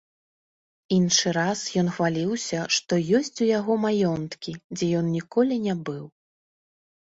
Іншы раз ён хваліўся, што ёсць у яго маёнткі, дзе ён ніколі не быў.